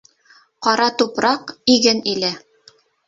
— Ҡара тупраҡ, иген иле.